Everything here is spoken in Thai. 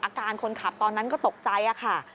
อาการคนขับตอนนั้นก็ตกใจค่ะ